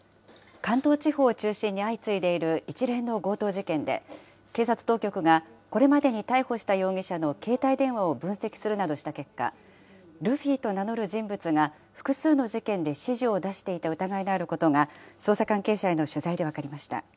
関東地方を中心に相次いでいる一連の強盗事件で、警察当局が、これまでに逮捕した容疑者の携帯電話を分析するなどした結果、ルフィと名乗る人物が複数の事件で指示を出していた疑いのあることが捜査関係者への取材で分かりました。